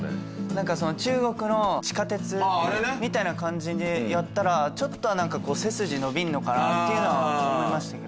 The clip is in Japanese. なんかその中国の地下鉄みたいな感じでやったらちょっとは背筋伸びるのかなっていうのは思いましたけど。